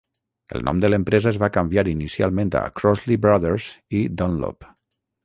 El nom de l'empresa es va canviar inicialment a Crossley Brothers i Dunlop.